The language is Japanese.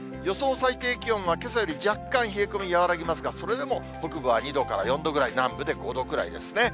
最低気温は、けさより若干冷え込み和らぎますが、それでも北部は２度から４度ぐらい、南部で５度くらいですね。